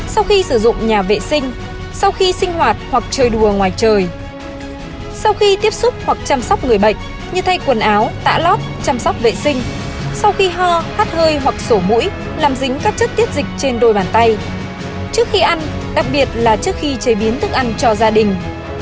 sau khi sử dụng nhà vệ sinh sau khi sinh hoạt hoặc chơi đùa ngoài trời sau khi tiếp xúc hoặc chăm sóc người bệnh như thay quần áo tạ lót chăm sóc vệ sinh sau khi ho hắt hơi hoặc sổ mũi làm dính các chất tiết dịch trên đôi bàn tay trước khi ăn đặc biệt là trước khi chế biến thức ăn cho gia đình